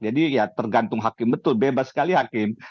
jadi ya tergantung hakim betul bebas sekali hakim